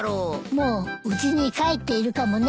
もううちに帰っているかもね。